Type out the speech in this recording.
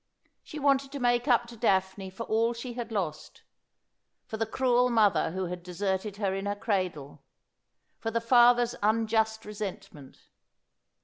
She wanted to make up to Daphne for all she had lost ; for the cruel mother who had deserted her in her cradle ; for the father's unjust resentment.